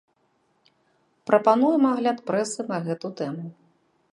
Прапануем агляд прэсы на гэту тэму.